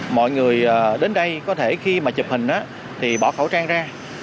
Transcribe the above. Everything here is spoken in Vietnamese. mọi người đến đây có thể khi mà chụp hình thì bỏ khẩu trang ra